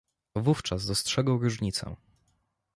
Wówczas dostrzegą różnicę